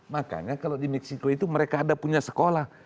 makanya kalau di meksiko itu mereka ada punya sekolah